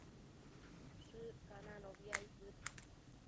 Shëccananobi aidbëd